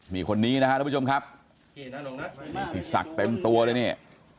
มีคนนี้นะครับทุกผู้ชมครับศักดิ์เต็มตัวเลยเนี่ย